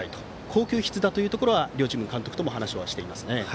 好球必打というのは両チームの監督とも話をしていますね。